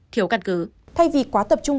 thiếu căn cứ thay vì quá tập trung